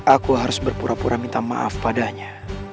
aku harus berpura pura minta maaf padanya